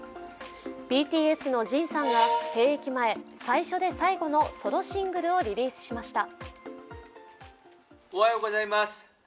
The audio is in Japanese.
ＢＴＳのＪＩＮさんが兵役前、最初で最後のソロシングルをリリースしました。